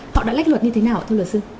họ đã lách luật như thế nào thưa luật sư